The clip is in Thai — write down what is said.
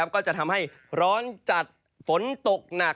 ก็จะทำให้ร้อนจัดฝนตกหนัก